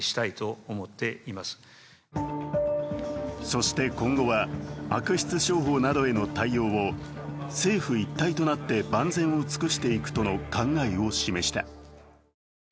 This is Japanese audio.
そして今後は、悪質商法などへの対応を政府一体となって万全を尽くしていくとの考えを示した。